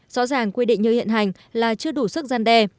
rõ ràng quy định như hiện hành là chưa đủ sức gian đe